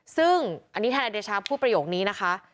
ซึ่งอันนี้ทนายเดชาพูดประโยคนี้นะคะ